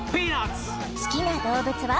・好きな動物は？